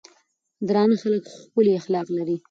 درانۀ خلک ښکلي اخلاق لري.